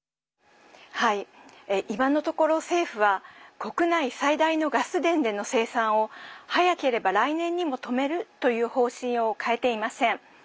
今のところ政府は国内最大のガス田での生産を早ければ来年にも止めるという方針を変えていません。